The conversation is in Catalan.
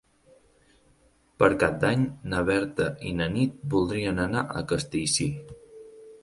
Per Cap d'Any na Berta i na Nit voldrien anar a Castellcir.